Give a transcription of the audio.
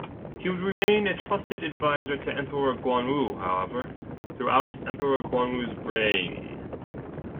He would remain a trusted advisor to Emperor Guangwu, however, throughout Emperor Guangwu's reign.